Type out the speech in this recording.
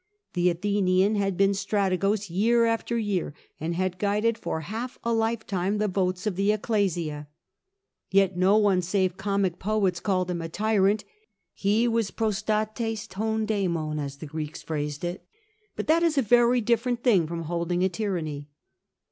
The Athenian had been Strategos year after year, and had guided for half a lifetime the votes of the Bcclesia. Yet no one save comic poets called him a tyrant : he was 'irpocrrcirr}^ rod Sr^fcop^ as the Greeks phrased it, bat that is a very different thing from holding a tyranny.